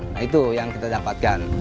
nah itu yang kita dapatkan